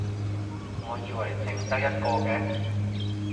我以為剩得一個嘅